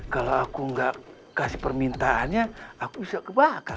kalau aku nggak kasih permintaannya aku bisa kebakar